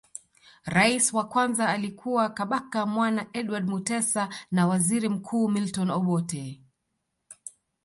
Rais wa kwanza alikuwa Kabaka bwana Edward Mutesa na waziri mkuu Milton Obote